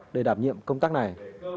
để đảm nhiệm công tác này